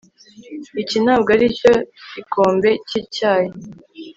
iki ntabwo aricyo gikombe cyicyayi